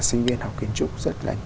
sinh viên học kiến trúc rất là